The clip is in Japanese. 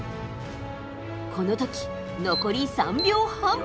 この時、残り３秒半。